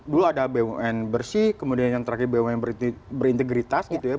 dulu ada bumn bersih kemudian yang terakhir bumn berintegritas gitu ya